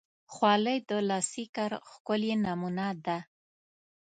خولۍ د لاسي کار ښکلی نمونه ده.